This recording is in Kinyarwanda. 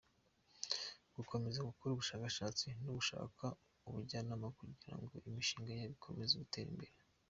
Gukomeza gukora ubushakashatsi no gushaka ubujyanama kugira ngo imishinga yabo ikomeze gutera imbere.